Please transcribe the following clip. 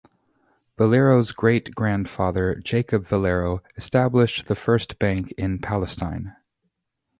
Valero's great-grandfather, Jacob Valero, established the first bank in Palestine.